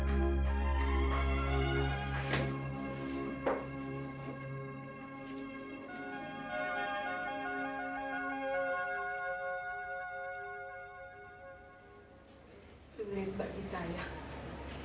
saya sudah yakin